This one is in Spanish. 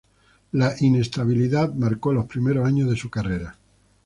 La inestabilidad marcó los primeros años de su carrera.